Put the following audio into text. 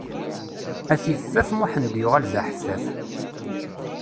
A tiffaf, Muḥend yuɣal d aḥeffaf!